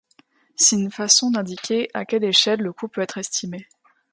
C'est une façon d'indiquer à quelle échelle le coût peut être estimé.